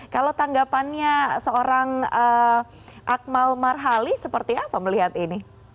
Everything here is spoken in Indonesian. kalau tanggapannya seorang akmal marhali seperti apa melihat ini